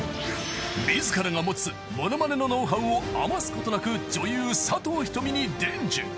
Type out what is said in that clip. ［自らが持つモノマネのノウハウを余すことなく女優佐藤仁美に伝授］